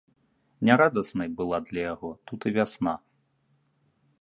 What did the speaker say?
Нярадаснай была для яго тут і вясна.